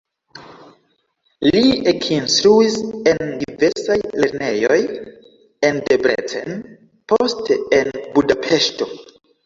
Li ekinstruis en diversaj lernejoj en Debrecen, poste en Budapeŝto.